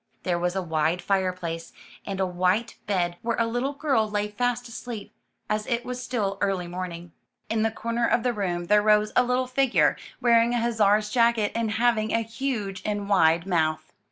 There was a wide fireplace, and a white bed where a little girl lay fast asleep, as it was still early morning. In the corner of the room there rose a little figure, wearing a hussar's jacket and having a huge and wide mouth.